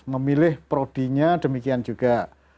memilih prodinya demikian juga